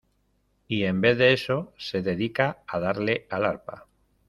y en vez de eso, se dedica a darle al arpa.